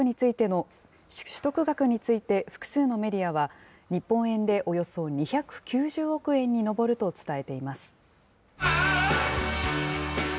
取得額について複数のメディアは、日本円でおよそ２９０億円に上ると伝えています。